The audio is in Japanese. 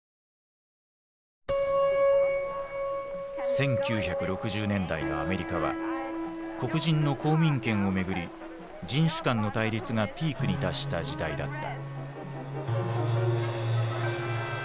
１９６０年代のアメリカは黒人の公民権をめぐり人種間の対立がピークに達した時代だった。